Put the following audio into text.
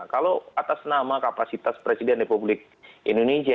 kalau atas nama kapasitas presiden republik indonesia